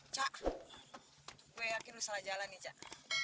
cak gue yakin usaha jalan nih cak